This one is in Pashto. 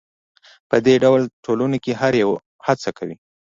په دې ډول ټولنو کې هر یو هڅه کوي